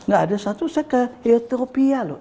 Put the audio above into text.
gak ada satu saya ke ethiopia loh